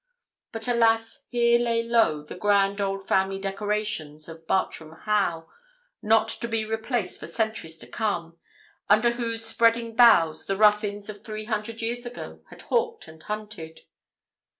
But, alas! here lay low the grand old family decorations of Bartram Haugh, not to be replaced for centuries to come, under whose spreading boughs the Ruthyns of three hundred years ago had hawked and hunted!